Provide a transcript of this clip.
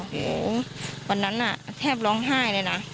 โอ้โหวันนั้นน่ะแทบร้องไห้เลยนะ